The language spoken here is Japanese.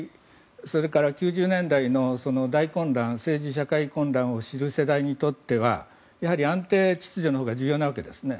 それから９０年代の大混乱政治社会混乱を知る世代にとってはやはり安定秩序のほうが重要なわけですね。